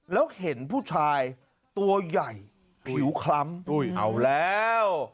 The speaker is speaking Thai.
แล้วเห็นผู้ชายตัวใหญ่ผิวคล้ำเอาแล้ว